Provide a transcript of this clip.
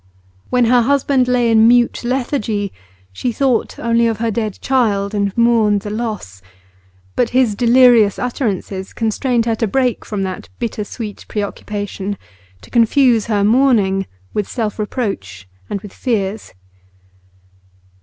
When her husband lay in mute lethargy, she thought only of her dead child, and mourned the loss; but his delirious utterances constrained her to break from that bittersweet preoccupation, to confuse her mourning with self reproach and with fears.